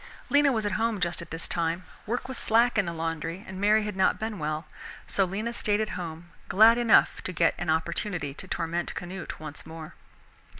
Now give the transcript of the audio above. Lena was at home just at this time. Work was slack in the laundry and Mary had not been well, so Lena stayed at home, glad enough to get an opportunity to torment Canute once more.